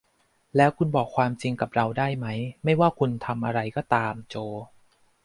แล้วคุณบอกความจริงกับเราได้ไหม ไม่ว่าคุณทำอะไรก็ตาม โจ